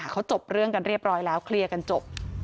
เขาจบเรื่องกันเรียบร้อยแล้วเคลียร์กันจบ